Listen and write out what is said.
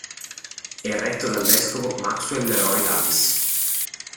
È retto dal vescovo Maxwell Leroy Davis.